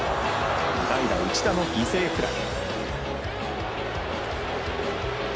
代打、内田の犠牲フライ。